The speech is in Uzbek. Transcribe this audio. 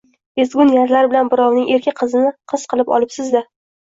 Ezgu niyatlar bilan birovning erka qizini qiz qilib olibsiz-da